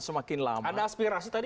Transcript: semakin lama dan aspirasi tadi